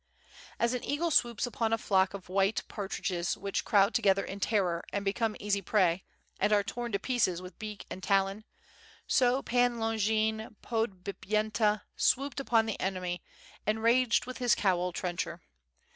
As an eagle swoops upon a flock of white partridges which crowd together in terror and become easy prey, and are torn to pieces with beak and talon, so Pan Longin Podbipyenta swooped upon the enemy and raged with his "Cowl trencher."